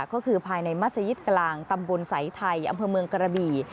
ก็คือภายในมัศยิตกลางตำบลสายไทยอำเภอเมืองกระบี่